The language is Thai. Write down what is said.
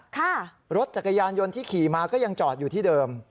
รถจักรยานยนต์ที่ขี่มาก็ยังจอดอยู่ที่เดิม